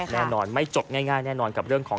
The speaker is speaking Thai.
แน่นอนไม่จบง่ายแน่นอนกับเรื่องของ